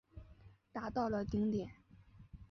达到了顶点。